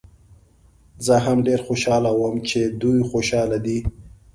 زه هم ډېر خوشحاله وم چې دوی خوشحاله دي.